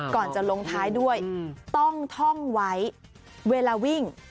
ก่อนจะลงท้ายด้วยต้องท่องไว้เวลาวิ่ง